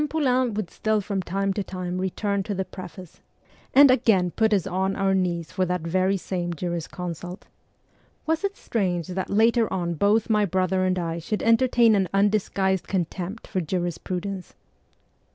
Poulairi would still from time to time return to the preface, and again put us on our knees for that very same jurisconsult. Was it strange that later on both my brother and I should entertain an undisguised contempt for jurisprudence